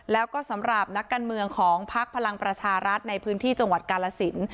แล้วก็สำหรับนักการเมืองของพักพลังประชารัฐในพื้นที่จังหวัดกาลสิน